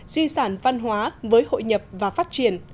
di sản văn hóa với hội nhập và phát triển